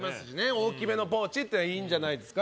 大きめのポーチってのはいいんじゃないですか